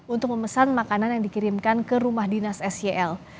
untuk memesan makanan yang dikirimkan ke rumah dinas sel